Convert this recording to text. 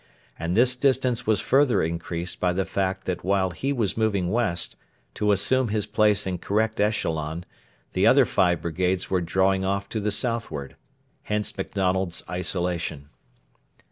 And this distance was further increased by the fact that while he was moving west, to assume his place in correct echelon, the other five brigades were drawing off to the southward. Hence MacDonald's isolation.